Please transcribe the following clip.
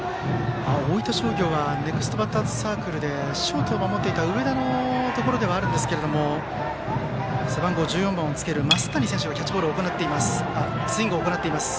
大分商業はネクストバッターズサークルでショートを守っていた上田のところではありますが背番号１４番をつける桝谷選手がスイングを行っています。